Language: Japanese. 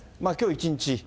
きょう一日。